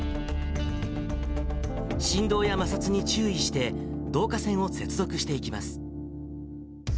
振動や摩擦に注意して、導火線を接続していきます。